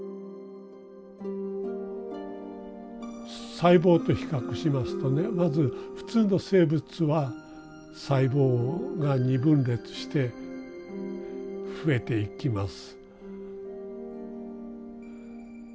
細胞と比較しますとねまず普通の生物は細胞が二分裂して増えていきます。